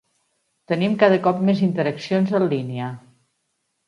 Tenim cada cop més interaccions en línia.